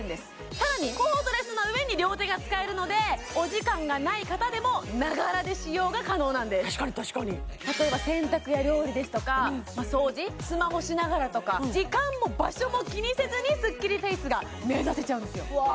さらにコードレスな上に両手が使えるのでお時間がない方でも確かに確かに例えば洗濯や料理ですとか掃除スマホしながらとか時間も場所も気にせずにスッキリフェイスが目指せちゃうんですようわ